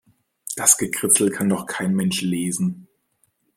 Das Gekritzel kann doch kein Mensch lesen.